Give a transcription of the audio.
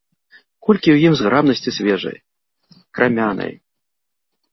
Колькі ў ім зграбнасці свежай, крамянай!